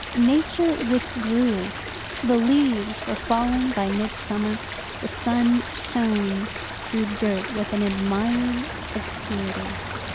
Nature withdrew: the leaves were falling by midsummer; the sun shone through dirt with an admired obscurity.